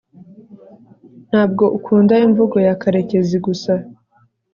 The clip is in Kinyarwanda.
ntabwo ukunda imvugo ya karekezi gusa